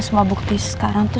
semua bukti sekarang tuh